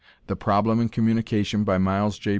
"The Problem in Communication," by Miles J.